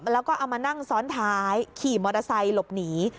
แล้วก็เอามานั่งซ้อนท้ายขี่มอเตอร์ไซค์หลบหนี